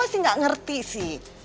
papa sih gak ngerti sih